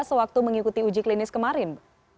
sewaktu mengikuti uji klinis kemarin